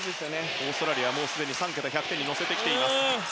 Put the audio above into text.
オーストラリア、すでに３桁１００点に乗せています。